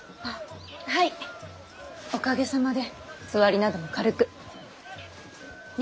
はいおかげさまでつわりなども軽く。ね。